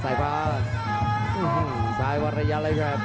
พยายามจะไถ่หน้านี่ครับการต้องเตือนเลยครับ